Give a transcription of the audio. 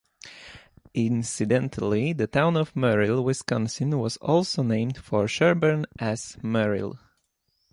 Incidentally, the town of Merrill, Wisconsin, was also named for Sherburne S. Merrill.